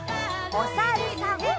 おさるさん。